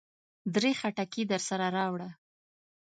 درې خټکي درسره راوړه.